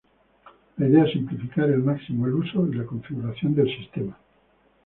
La idea es simplificar al máximo el uso y la configuración del sistema.